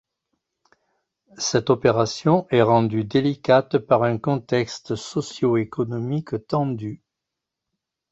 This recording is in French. Cette opération est rendue délicate par un contexte socioéconomique tendu.